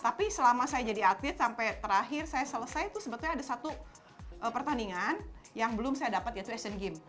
tapi selama saya jadi atlet sampai terakhir saya selesai itu sebetulnya ada satu pertandingan yang belum saya dapat yaitu asian games